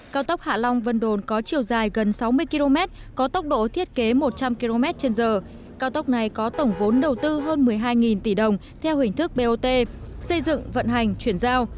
cao tốc hạ long vân đồn có chiều dài gần sáu mươi km có tốc độ thiết kế một trăm linh km trên giờ cao tốc này có tổng vốn đầu tư hơn một mươi hai tỷ đồng theo hình thức bot xây dựng vận hành chuyển giao